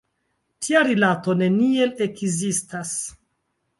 Tia rilato neniel ekzistas!